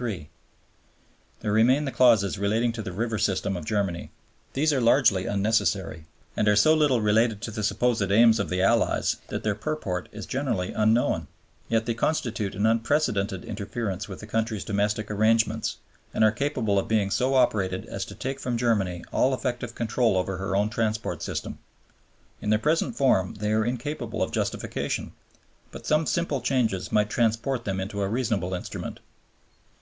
(iii.) There remain the clauses relating to the river system of Germany. These are largely unnecessary and are so little related to the supposed aims of the Allies that their purport is generally unknown. Yet they constitute an unprecedented interference with a country's domestic arrangements and are capable of being so operated as to take from Germany all effective control over her own transport system. In their present form they are incapable of justification; but some simple changes might transform them into a reasonable instrument.